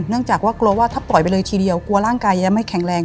จากว่ากลัวว่าถ้าปล่อยไปเลยทีเดียวกลัวร่างกายจะไม่แข็งแรง